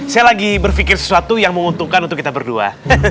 saya lagi berpikir sesuatu yang menguntungkan untuk kita berdua